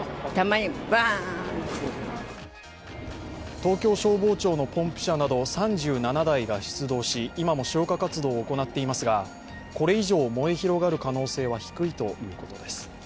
東京消防庁のポンプ車など３７台が出動し今も消火活動を行っていますが、これ以上、燃え広がる可能性は低いということです。